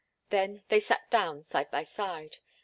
Then they sat down side by side.